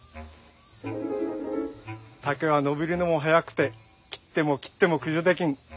竹はのびるのもはやくて切っても切ってもくじょできん。